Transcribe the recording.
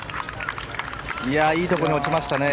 いいところに落ちましたね。